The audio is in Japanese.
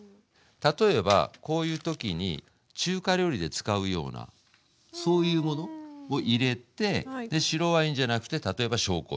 例えばこういう時に中華料理で使うようなそういうものを入れてで白ワインじゃなくて例えば紹興酒。